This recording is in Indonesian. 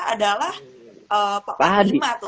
adalah pak adi cahyanto